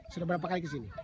sudah berapa kali ke sini